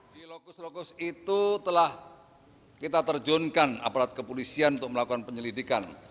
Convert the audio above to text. di lokus lokus itu telah kita terjunkan aparat kepolisian untuk melakukan penyelidikan